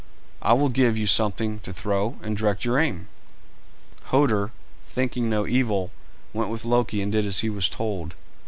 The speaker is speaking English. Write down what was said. I will give you something to throw, and direct your aim." Hoder, thinking no evil, went with Loki and did as he was told.